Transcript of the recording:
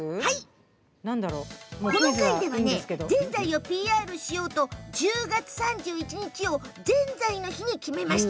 この会ではぜんざいをＰＲしようと１０月３１日をぜんざいの日に決めました。